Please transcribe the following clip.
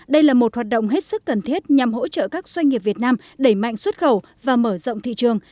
đây là một hoạt động hết sức cần thiết nhằm hỗ trợ các doanh nghiệp việt nam đẩy mạnh xuất khẩu và mở rộng thị trường